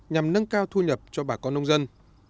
nhằm nâng cao thu nhập cho bà con nông dân